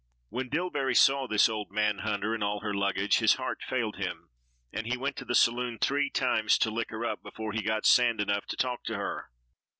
When Dillbery saw this old man hunter and all her luggage, his heart failed him, and he went to the saloon three times to liquor up before he got sand enough to talk to her.